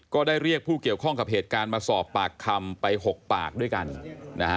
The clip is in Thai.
ก็ได้เรียกผู้เกี่ยวข้องกับเหตุการณ์มาสอบปากคำไปหกปากด้วยกันนะฮะ